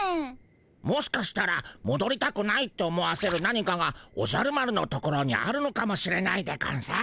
もしかしたらもどりたくないって思わせる何かがおじゃる丸のところにあるのかもしれないでゴンス。